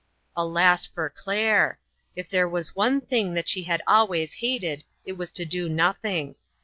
Alas for Claire ! If there was one thing that she had always hated, it was to do nothing.